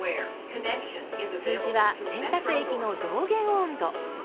数字は「洗濯液の上限温度」。